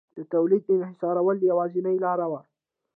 د تولید انحصارول یوازینۍ لار وه